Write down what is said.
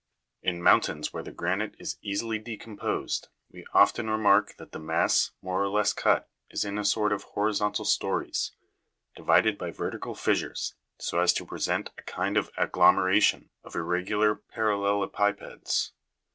In mountains where the granite is easily decomposed, we often remark that the mass, more or less cut, is in a sort of horizontal stories, divided by vertical fissures, so as to present a kind of agglomeration of irregular paral le'llipipeds.